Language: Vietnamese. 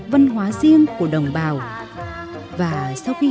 với những anh thèn hồ